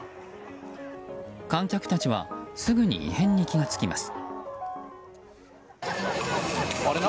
観客たちはすぐに異変に気が付きます。